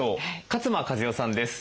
勝間和代さんです。